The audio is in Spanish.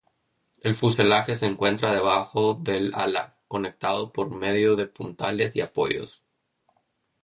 El fuselaje se encuentra debajo del ala, conectado por medio de puntales y apoyos.